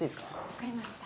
分かりました。